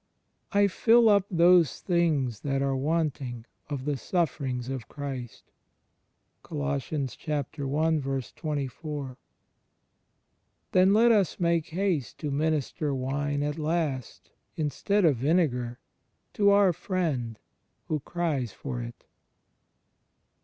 "I fill up those things that are wanting of the suffer ings of Christ." ^ Then let us make haste to minister wine at last, instead of vinegar, to our Friend who cries for it.